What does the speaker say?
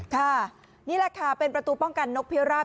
ค่ะนี่แหละค่ะเป็นประตูป้องกันนกพิราบ